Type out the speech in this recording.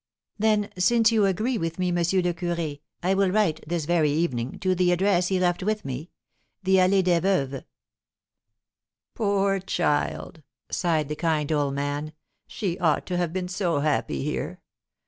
"Then, since you agree with me, M. le Curé, I will write, this very evening, to the address he left with me, the Allée des Veuves." "Poor child," sighed the kind old man, "she ought to have been so happy here!